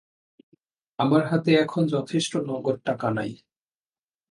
আমার হাতে এখন যথেষ্ট নগদ টাকা নাই।